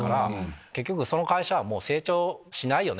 結局その会社成長しないよね